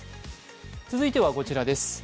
続いてはこちらです。